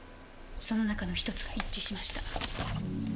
その中の１つが一致しました。